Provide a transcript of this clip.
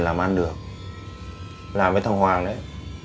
làm với thằng hoàng đấy